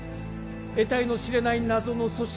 えたいの知れない謎の組織